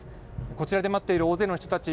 こちらで待っている大勢の人たち